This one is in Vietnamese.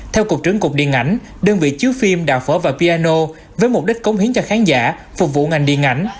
theo cục trưởng cục điện ảnh đơn vị chiếu phim đào phở và piano với mục đích cống hiến cho khán giả phục vụ ngành điện ảnh